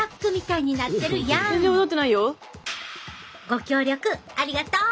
ご協力ありがとう。